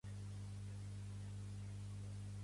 Shafter va fortificar la posició a San Juan Heights.